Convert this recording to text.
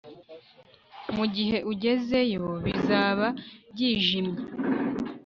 mugihe ugezeyo, bizaba byijimye